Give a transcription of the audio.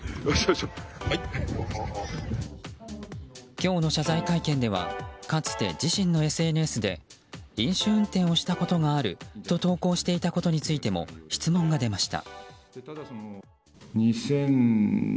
今日の謝罪会見ではかつて自身のＳＮＳで飲酒運転をしたことがあると投稿していたことについても質問が出ました。